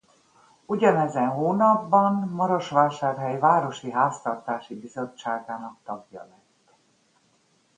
Ugyanezen hónapban Marosvásárhely városi Háztartási Bizottságának tagja lett.